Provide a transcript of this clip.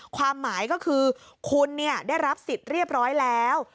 ความหมายก็คือคุณได้รับสิทธิ์เรียบร้อยแล้ว